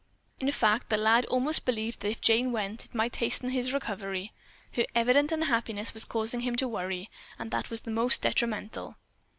In fact, the lad almost believed that if Jane went, it might hasten his recovery. Her evident unhappiness was causing him to worry, and that was most detrimental.